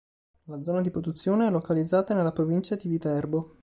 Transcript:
La zona di produzione è localizzata nella provincia di Viterbo.